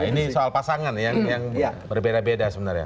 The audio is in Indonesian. ini soal pasangan yang berbeda beda sebenarnya